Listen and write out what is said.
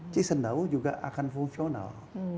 cisendawu juga akan fungsional